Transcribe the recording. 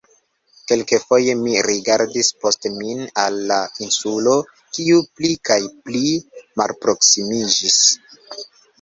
Kelkfoje mi rigardis post min al "la Insulo", kiu pli kaj pli malproksimiĝis.